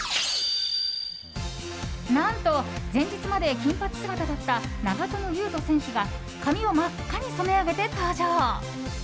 何と前日まで金髪姿だった長友佑都選手が髪を真っ赤に染め上げて登場。